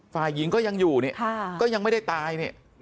ฝ่ายิงก็ยังอยู่ก็ยังไม่ได้ตาย